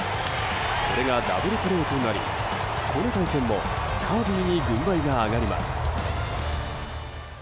これがダブルプレーとなりこの対戦もカービーに軍配が上がります。